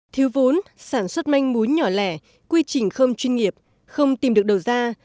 thiếu vốn sản xuất manh mún nhỏ lẻ quy trình không chuyên nghiệp không tìm được đầu ra